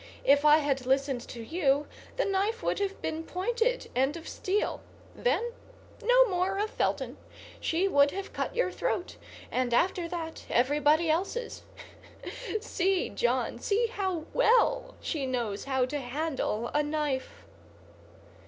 If I had listened to you, the knife would have been pointed and of steel. Then no more of Felton; she would have cut your throat, and after that everybody else's. See, John, see how well she knows how to handle a knife."